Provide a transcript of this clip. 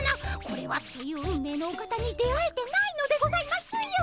これはという運命のお方に出会えてないのでございますよ。